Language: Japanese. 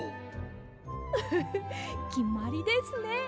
フフきまりですね。